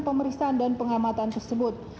pemeriksaan dan pengamatan tersebut